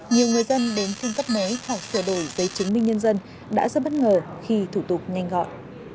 nhiều người dân đến thương tất mế hoặc sửa đổi giấy chứng minh nhân dân đã rất bất ngờ khi thủ tục nhanh gọi